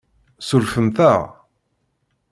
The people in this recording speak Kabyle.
Surfent-am?